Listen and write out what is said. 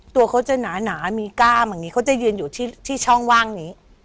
ตัวเขาจะหนามีกล้ามอย่างนี้เขาจะยืนอยู่ที่ช่องว่างนี้